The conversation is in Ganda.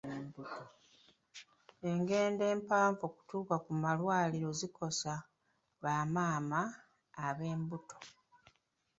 Engendo empanvu okutuuka ku malwaliro zikosa ba maama ab'embuto.